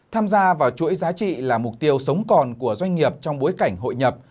tham gia vào chuỗi giá trị là mục tiêu sống còn của doanh nghiệp trong bối cảnh hội nhập